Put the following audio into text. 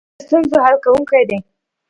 پلار د ستونزو حل کوونکی دی.